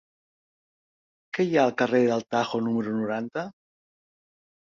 Què hi ha al carrer del Tajo número noranta?